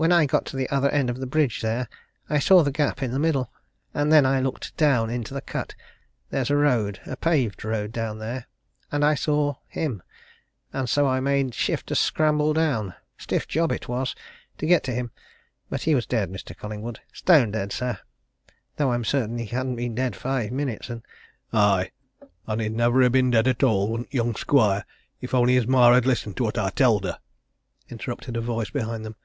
When I got to the other end of the bridge, there, I saw the gap in the middle. And then I looked down into the cut there's a road a paved road down there, and I saw him! And so I made shift to scramble down stiff job it was! to get to him. But he was dead, Mr. Collingwood stone dead, sir! though I'm certain he hadn't been dead five minutes. And " "Aye, an' he'd never ha' been dead at all, wouldn't young Squire, if only his ma had listened to what I telled her!" interrupted a voice behind them.